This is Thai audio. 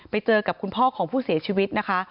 ไปเจอกับคุณพ่อของผู้เสียชีวิตนะคะ